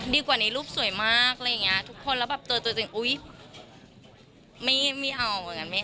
ดีกว่านี้รูปสวยมากทุกคนตัวตัวตัวอย่างอุ้ยไม่เอา